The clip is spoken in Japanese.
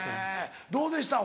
どうでした？